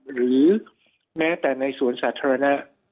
หรือแม้แต่ในสวนสาธารณะ